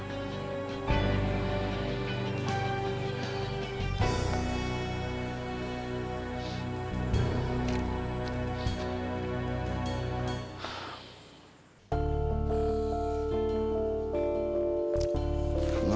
lampanya sudah berubah